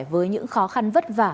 với những khó khăn vất vả